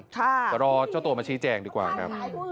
จะรอเจ้าตัวมาชี้แจงดีกว่านะ